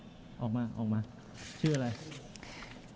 ออกมาออกมาชื่ออะไร